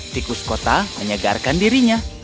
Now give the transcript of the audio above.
tikus kota menyegarkan dirinya